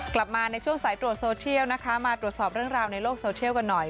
กลับมาในช่วงสายตรวจโซเชียลนะคะมาตรวจสอบเรื่องราวในโลกโซเทียลกันหน่อย